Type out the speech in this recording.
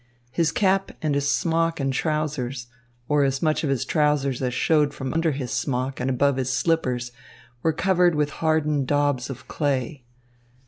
His cap and his smock and trousers, or as much of his trousers as showed from under his smock and above his slippers, were covered with hardened daubs of clay.